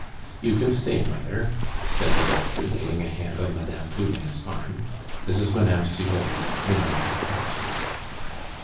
"You can stay, mother," said the doctor, laying a hand on Mme. Poulain's arm; "this is Mme. Cibot, of whom I have told you."